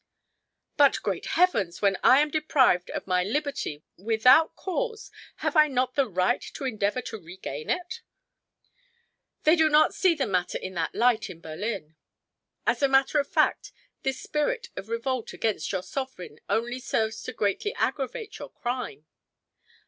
"But, great heavens! when I am deprived of my liberty without cause, have I not the right to endeavor to regain it?" "They do not see the matter in that light in Berlin. As a matter of fact this spirit of revolt against your sovereign only serves to greatly aggravate your crime."